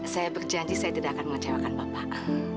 saya berjanji saya tidak akan mengecewakan bapak